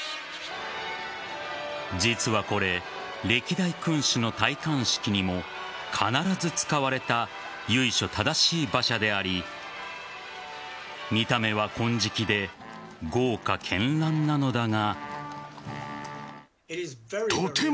実は、これ歴代君主の戴冠式にも必ず使われた由緒正しい馬車であり見た目は金色で豪華絢爛なのだが。